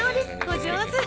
お上手！